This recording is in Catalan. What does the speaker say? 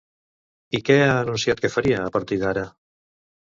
I què ha enunciat que faria, a partir d'ara?